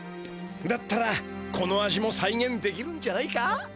だったらこの味もさいげんできるんじゃないか？